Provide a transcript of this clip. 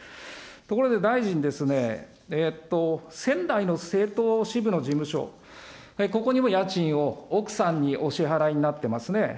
ところで大臣ですね、仙台の政党支部の事務所、ここにも家賃を奥さんにお支払いになってますね。